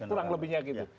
kurang lebihnya gitu